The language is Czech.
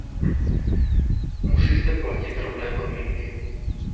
Musí zde platit rovné podmínky.